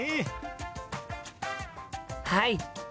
はい！